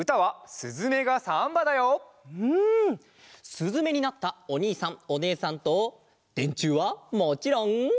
すずめになったおにいさんおねえさんとでんちゅうはもちろん。